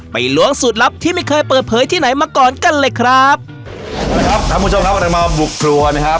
ล้วงสูตรลับที่ไม่เคยเปิดเผยที่ไหนมาก่อนกันเลยครับนะครับท่านผู้ชมครับเรามาบุกครัวนะครับ